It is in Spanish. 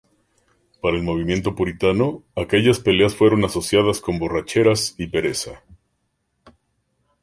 Para el movimiento puritano aquellas peleas fueron asociadas con borracheras y pereza.